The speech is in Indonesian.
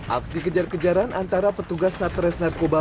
aksi kejar kejaran antara petugas satres narkoba